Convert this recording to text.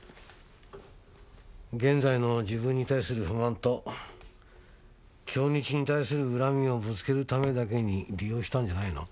現在の自分に対する不満と京日に対する恨みをぶつけるためだけに利用したんじゃないの？